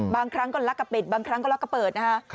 บางครั้งก็ลักกะปิดบางครั้งก็ลักกะเปิดนะฮะ